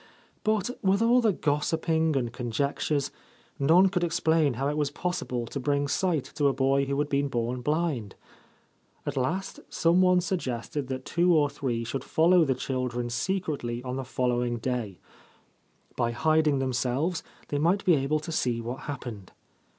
But, with all the gossiping and conjectures, none could explain how it was possible to bring sight to a boy who had been born blind. At last some one suggested that two or three should follow the children secretly on the following day : by hiding themselves they might be able to see what happened.